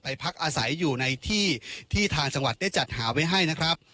พักอาศัยอยู่ในที่ที่ทางจังหวัดได้จัดหาไว้ให้นะครับ